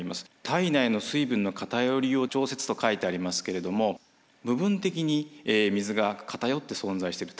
体内の水分のかたよりを調節と書いてありますけれども部分的に水がかたよって存在している。